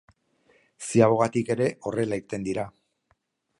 Ziabogatik ere horrela irten dira.